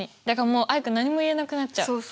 だからもうアイク何も言えなくなっちゃう。